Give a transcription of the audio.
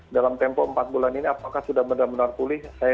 dalam tempo empat bulan ini apakah sudah benar benar pulih